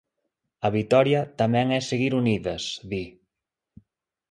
"A vitoria tamén é seguir unidas", di.